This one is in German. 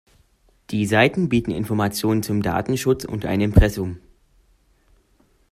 Die Seiten bieten Informationen zum Datenschutz und ein Impressum.